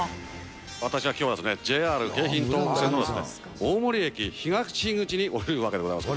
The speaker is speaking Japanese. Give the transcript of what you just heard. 私はきょうですね、ＪＲ京浜東北線の大森駅東口におるわけでございます。